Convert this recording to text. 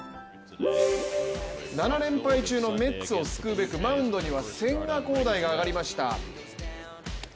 ７連敗中のメッツを救うべく、マウンドには千賀滉大が上がりました。